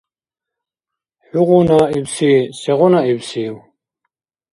«ХӀугъуна» ибси сегъуна ибсив?